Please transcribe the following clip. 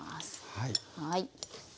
はい。